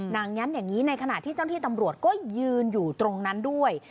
งั้นอย่างนี้ในขณะที่เจ้าหน้าที่ตำรวจก็ยืนอยู่ตรงนั้นด้วย